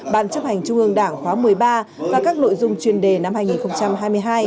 ban chấp hành trung ương đảng khóa một mươi ba và các nội dung chuyên đề năm hai nghìn hai mươi hai